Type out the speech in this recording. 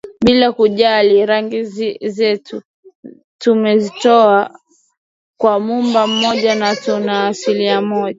bila kujali rangi zetu tumetoka kwa Muumba mmoja na tuna asili moja